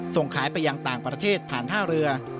ส่งขายไปยังต่างประเทศผ่านท่าเรือ